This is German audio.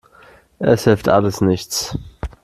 Es hilft alles nichts.